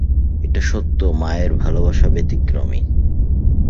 এটা সত্য, মায়ের ভালবাসা ব্যতিক্রমী।